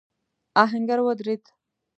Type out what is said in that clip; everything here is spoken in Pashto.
آهنګر ودرېد.